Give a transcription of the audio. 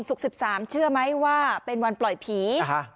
๑๓เชื่อไหมว่าเป็นวันปล่อยผี